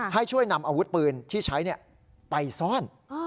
ให้ช่วยนำอาวุธปืนที่ใช้ไปซ่อน